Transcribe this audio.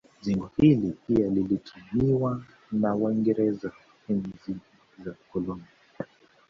Jengo hili pia lilitumiwa na waingereza enzi za ukoloni